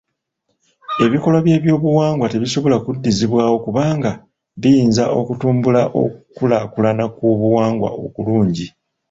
Ebikolwa by'ebyobuwangwa tebisobola kuddizibwawo kubanga biyinza okutumbula okulaakulana kw'obuwangwa okulungi.